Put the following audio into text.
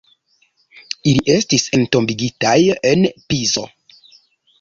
Ili estis entombigitaj en Pizo.